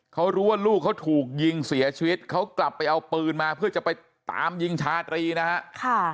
เขารู้ว่าลูกเขาถูกยิงเสียชีวิตเขากลับไปเอาปืนมาเพื่อจะไปตามยิงชาตรีนะฮะ